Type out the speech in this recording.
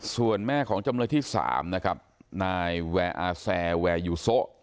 ส่วนแม่ของจำเลยที่สามนะครับนายแหว่อาแสแหว่อยู่โซะ